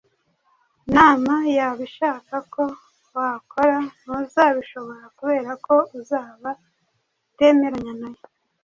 Imana yaba ishaka ko wakora ntuzabishobora kubera ko uzaba utemeranya na yo.